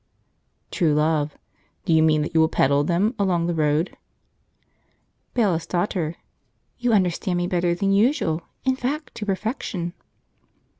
True Love. "Do you mean that you will "peddle" them along the road?" Bailiff's Daughter. "You understand me better than usual, in fact to perfection."